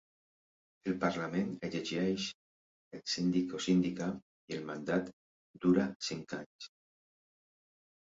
El Parlament elegeix el síndic o síndica i el mandat dura cinc anys.